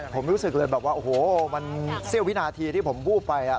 ผมรู้สึกเลยแบบว่าโอ้โหมันเสี้ยววินาทีที่ผมวูบไป